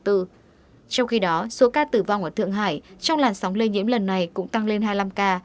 trong khi đó số ca tử vong ở thượng hải trong làn sóng lây nhiễm lần này cũng tăng lên hai mươi năm ca